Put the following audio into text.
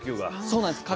そうなんです。